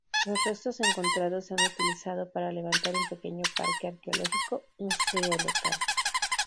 Los restos encontrados se han utilizado para levantar un pequeño parque arqueológico-museo local.